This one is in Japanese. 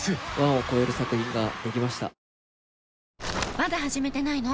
まだ始めてないの？